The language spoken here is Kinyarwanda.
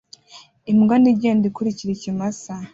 Imbwa nto igenda ikurikira ikimasa